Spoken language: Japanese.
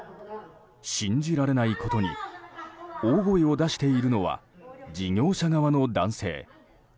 信じられないことに大声を出しているのは事業者側の男性。